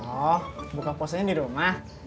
oh buka puasanya di rumah